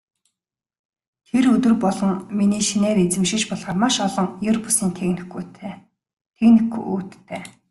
Тэр өдөр болгон миний шинээр эзэмшиж болохоор маш олон ер бусын техникүүдтэй.